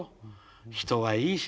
人はいいしね。